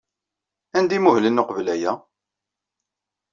Anda ay muhlen uqbel aya?